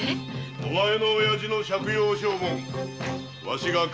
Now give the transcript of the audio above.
お前のおやじの借用証文わしが買い取ったのさ。